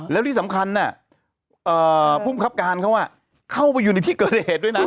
แล้วที่สำคัญภูมิครับการเขาเข้าไปอยู่ในที่เกิดเหตุด้วยนะ